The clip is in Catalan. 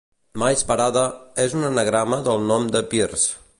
"Mice Parade" és un anagrama del nom de Pierce.